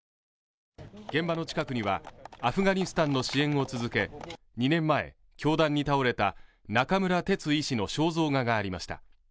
現場の近くにはアフガニスタンの支援を続け２年前凶弾に倒れた中村哲医師の肖像画がありました